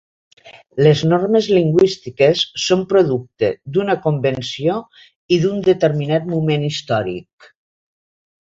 Les normes lingüístiques són producte d'una convenció i d'un determinat moment històric.